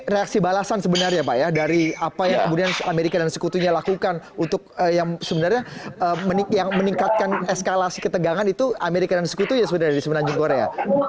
reaksi balasan sebenarnya pak ya dari apa yang kemudian amerika dan sekutunya lakukan untuk yang sebenarnya yang meningkatkan eskalasi ketegangan itu amerika dan sekutunya sebenarnya di semenanjung korea